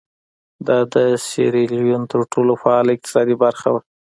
دا د سیریلیون تر ټولو فعاله اقتصادي برخه وه.